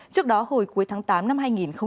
trước đó hồi cuối tháng tám năm hai nghìn hai mươi